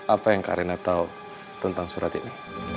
apa yang kak arena tahu tentang surat ini